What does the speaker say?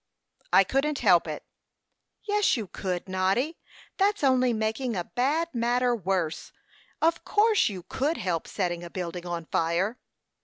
"I couldn't help it." "Yes, you could, Noddy. That's only making a bad matter worse. Of course you could help setting a building on fire."